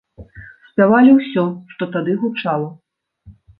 Спявалі ўсё, што тады гучала.